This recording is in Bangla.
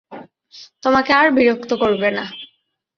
তোমাকে আর বিরক্ত করবে না।